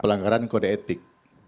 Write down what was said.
pelanggaran kode etik